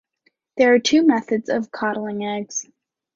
There are two methods of coddling eggs.